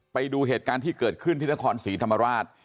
ไปดูเหตุการณ์ที่เกิดขึ้นที่นครศรีธรรมราช